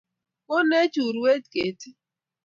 Konech urwet ketii